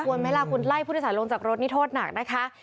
ไหมล่ะคุณไล่ผู้โดยสารลงจากรถนี่โทษหนักนะคะ